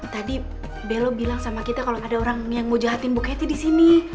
tadi belo bilang sama kita kalau ada orang yang mau jahatin buketty di sini